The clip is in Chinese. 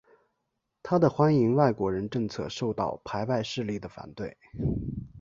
他的欢迎外国人政策受到排外势力的反对。